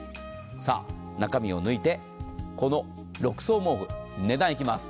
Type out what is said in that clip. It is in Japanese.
さあ、中身を抜いて、この６層毛布、値段いきます。